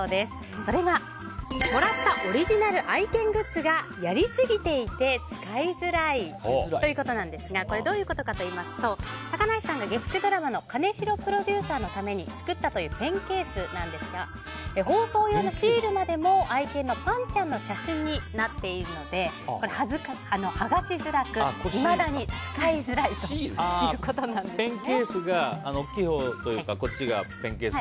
それが、もらったオリジナル愛犬グッズがやりすぎていて使いづらいということですがどういうことかというと高梨さんが月９ドラマの金城プロデューサーのために作ったペンケースなんですが包装用のシールまでも愛犬のぱんちゃんの写真になっているので剥がしづらくいまだに使いづらいということのようです。